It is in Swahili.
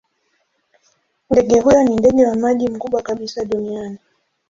Ndege huyo ni ndege wa maji mkubwa kabisa duniani.